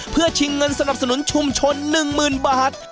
เพื่อชิงเงินสนับสนุนชุมชนหนึ่งหมื่นบาท